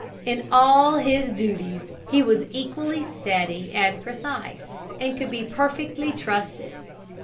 In all his duties he was equally steady and precise, and could be perfectly trusted.